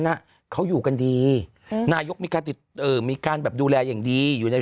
น่ะเขาอยู่กันดีอืมนายกมีการติดเอ่อมีการแบบดูแลอย่างดีอยู่ใน